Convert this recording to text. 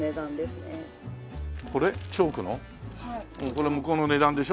これ向こうの値段でしょ？